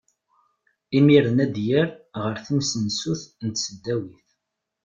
Imiren ad yerr ɣer temsensut n tesdawit.